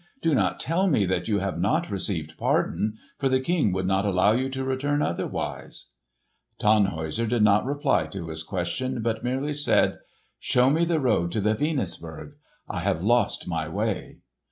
Do not tell me that you have not received pardon, for the King would not allow you to return otherwise." Tannhäuser did not reply to his questions, but merely said, "Show me the road to the Venusberg. I have lost my way."